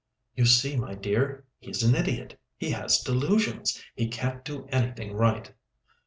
"You see, my dear, he's an idiot. He has delusions; he can't do anything right."